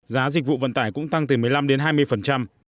giá dịch vụ vận tải cũng tăng từ một mươi năm đến hai mươi